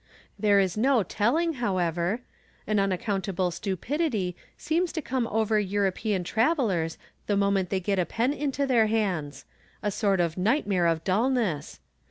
There is no telling, however. An unaccountable stupidity seems to come over European travelers the moment they get a pen into their hands — a sort of nightmare of dullness.